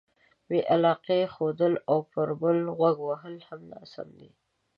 بې علاقې ښودل او پر بل غوږ وهل هم ناسم دي.